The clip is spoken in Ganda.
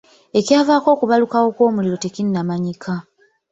Ekyavaako okubalukawo kw'omuliro tekinnamanyika.